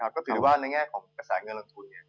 ก็ถือได้ว่าในแง่ของกระแสเงินลงทุน